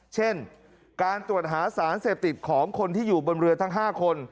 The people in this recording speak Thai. เช่นการตรวจหาสารเสพติดของคนที่อยู่บนเรือทั้ง๕คน